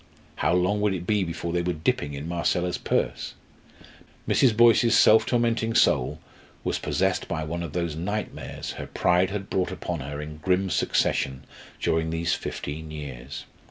How long would it be before they were dipping in Marcella's purse? Mrs. Boyce's self tormenting soul was possessed by one of those nightmares her pride had brought upon her in grim succession during these fifteen years.